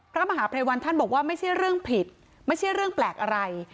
พระมหาภัยวันท่านบอกว่าไม่ใช่เรื่องผิดไม่ใช่เรื่องแปลกอะไร